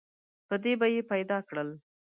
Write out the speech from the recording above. په دې به یې پیدا کړل.